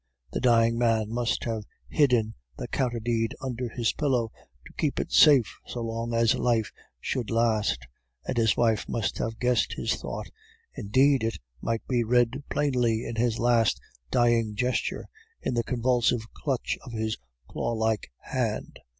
"The dying man must have hidden the counter deed under his pillow to keep it safe so long as life should last; and his wife must have guessed his thought; indeed, it might be read plainly in his last dying gesture, in the convulsive clutch of his claw like hands.